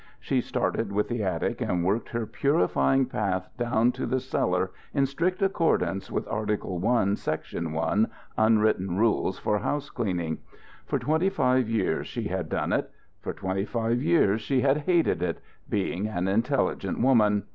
She started with the attic and worked her purifying path down to the cellar in strict accordance with Article I, Section I, Unwritten Rules for House Cleaning. For twenty five years she had done it. For twenty five years she had hated it being an intelligent woman.